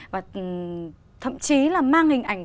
và thậm chí là mang hình ảnh